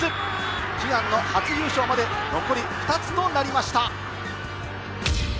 悲願の初優勝まで残り２つとなりました。